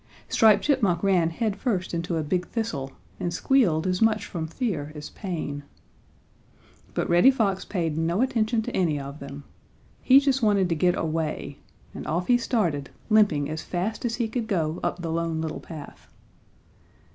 Striped Chipmunk ran head first into a big thistle and squealed as much from fear as pain. But Reddy Fox paid no attention to any of them. He just wanted to get away, and off he started, limping as fast as he could go up the Lone Little Path.